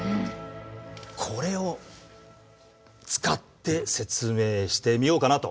これを使って説明してみようかなと。